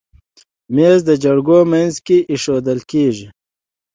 مېز د جرګو منځ کې ایښودل کېږي.